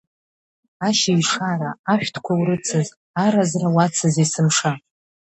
Ашьыжь шара, ашәҭқәа урыцыз, аразра уацыз есымша.